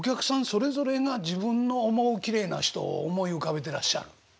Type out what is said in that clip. それぞれが自分の思うきれいな人を思い浮かべてらっしゃる。